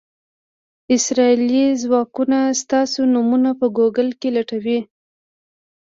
اسرائیلي ځواکونه ستاسو نومونه په ګوګل کې لټوي.